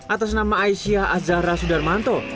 atas nama aisyah azahra sudarmanto